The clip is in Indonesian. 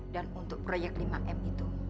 dan untuk proyek lima m itu